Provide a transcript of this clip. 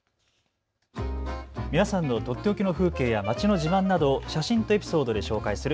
皆さんのとっておきの風景や街の自慢などを写真とエピソードで紹介する＃